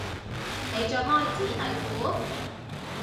你着開紙底褲？